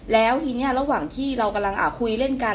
แล้วทีนี้ระหว่างที่เรากำลังคุยเล่นกัน